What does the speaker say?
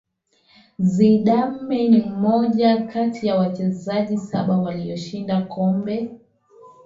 Zidane ni mmoja kati ya wachezaji saba walioshinda Kombe